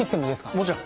もちろん。